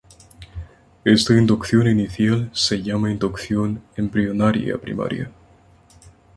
Esta inducción inicial se llama inducción embrionaria primaria.